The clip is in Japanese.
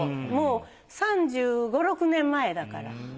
もう３５６年前だから。